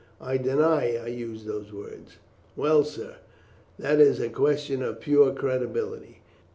"I deny that I used those words." "Well, sir, that is a question of pure credibility.